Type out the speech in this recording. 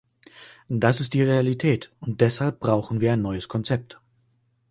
Das ist die Realität, und deshalb brauchen wir ein neues Konzept.